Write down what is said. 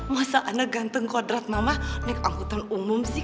masa anda ganteng kodrat mama naik angkutan umum sih